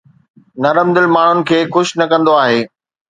نرم دل ماڻهن کي خوش نه ڪندو آهي